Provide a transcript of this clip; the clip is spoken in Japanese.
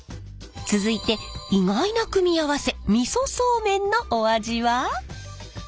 続いて意外な組み合わせ味噌そうめんのお味は？